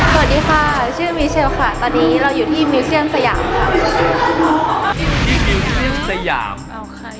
สวัสดีค่ะชื่อมิเชลค่ะตอนนี้เราอยู่ที่มิวเซียนสยามค่ะ